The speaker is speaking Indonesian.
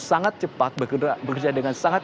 sangat cepat bekerja dengan sangat